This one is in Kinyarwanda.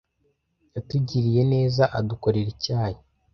Yatugiriye neza adukorera icyayi.